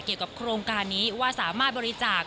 เกี่ยวกับโครงการนี้ว่าสามารถบริจาค